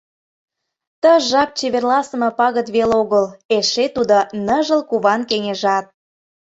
Ты жап чеверласыме пагыт вел огыл, эше тудо — ныжыл куван кеҥежат.